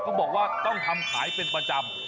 เขาบอกว่าต้องทำขายเป็นประจำ